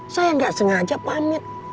saya enggak sengaja pamit